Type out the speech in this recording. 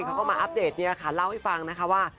เขาก็มาอัปเดตเล่าให้ฟังนะคะว่า